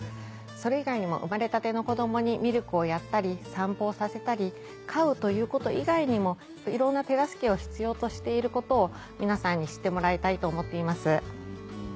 それ以外にも生まれたての子供にミルクをやったり散歩をさせたり飼うということ以外にもいろんな手助けを必要としていることを皆さんに知ってもらいたいと思っています。